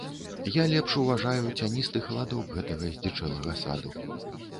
Я лепш уважаю цяністы халадок гэтага здзічэлага саду.